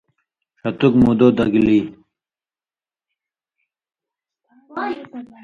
ݜتُک مُودو دگلی۔